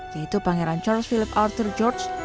yaitu pangeran charles philip arthur george